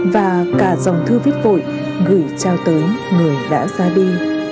và cả dòng thư viết vội gửi trao tới người đã ra đi